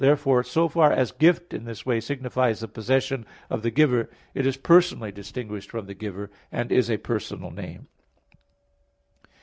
Therefore, so far as gift in this way signifies the possession of the giver, it is personally distinguished from the giver, and is a personal name.